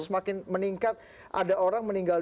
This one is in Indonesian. semakin meningkat ada orang meninggal